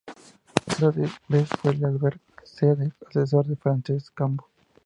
Trias de Bes fue el albacea y asesor de Francesc Cambó.